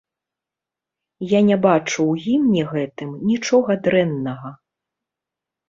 Я не бачу ў гімне гэтым нічога дрэннага.